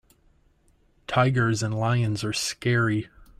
Tigers and lions are scary.